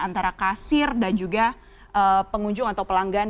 antara kasir dan juga pengunjung atau pelanggan